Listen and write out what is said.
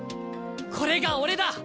これが俺だ！